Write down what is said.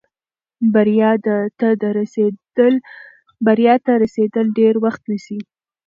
بریا ته رسېدل ډېر وخت نیسي.